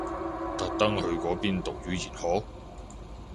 特登去嗰邊讀語言學？